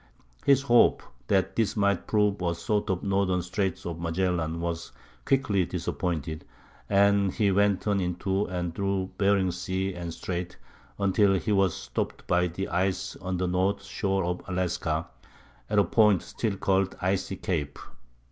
His hope that this might prove a sort of northern Straits of Magellan was quickly disappointed, and he went on into and through Bering Sea and Strait until he was stopped by the ice on the north shore of Alaska, at a point still called Icy Cape.